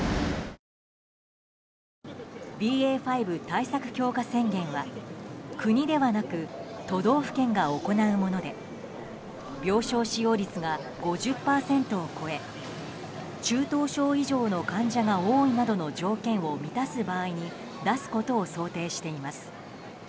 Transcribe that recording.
ＢＡ．５対策強化宣言は国ではなく都道府県が行うもので病床使用率が５０％を超え、中等症上の患者が多いなどの条件を満たす場合に出すことを想定しています。